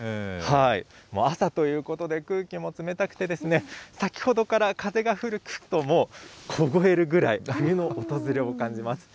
もう朝ということで、空気も冷たくてですね、先ほどから風が吹くと、もうこごえるくらい、冬の訪れを感じます。